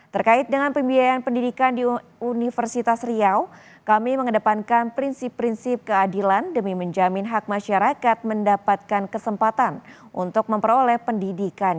terkait dengan pembiayaan pendidikan di universitas riau kami mengedepankan prinsip prinsip keadilan demi menjamin hak masyarakat mendapatkan kesempatan untuk memperoleh pendidikan